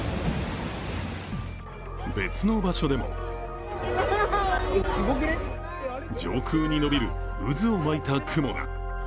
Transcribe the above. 別の場所でも上空に伸びる渦を巻いた雲が。